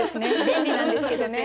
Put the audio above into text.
便利なんですけどね。